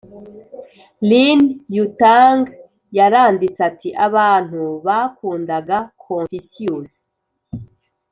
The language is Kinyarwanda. lin yutang yaranditse ati “abantu bakundaga confucius